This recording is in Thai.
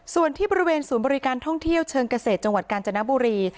ส่วนที่บริเวณศูนย์บริการท่องเที่ยวเชิงเกษตรจังหวัดกาญจนบุรี